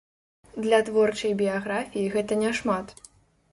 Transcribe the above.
Для творчай біяграфіі гэта няшмат.